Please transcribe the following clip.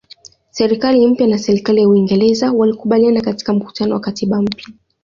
Serikali mpya na serikali ya Uingereza walikubaliana katika mkutano wa katiba mpya